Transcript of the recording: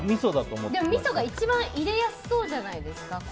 みそが一番入れやすそうじゃないですか。